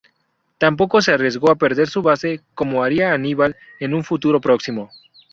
Tampoco se arriesgó a perder su base, como haría Aníbal en un futuro próximo.